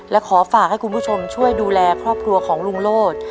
และขอฝากให้คุณผู้ชมช่วยดูแลครอบครัวของลุงโลศ